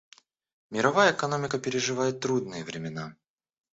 Мировая экономика переживает трудные времена.